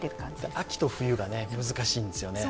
秋と冬が難しいんですよね。